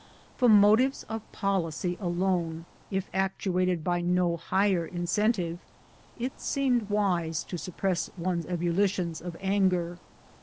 From motives of policy alone, if actuated by no higher incentive, it seemed wise to suppress one's ebullitions of anger.